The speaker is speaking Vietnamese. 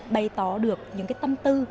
bày tỏ được những tâm tư